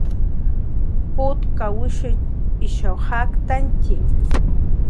Putkawishiq ishaw jaktantantxi